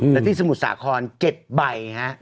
และที่สมุดสะคร๗ใบ